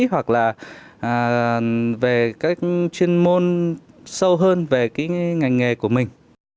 hoặc là về các chuyên môn sâu hơn về cái ngành nghề của mình